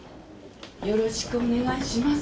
よろしくお願いします。